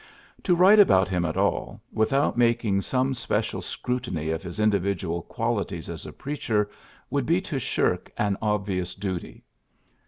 To write about him at all, without making some special scrutiny of his individual qualities as a preacher, would be to shirk an obvious duty.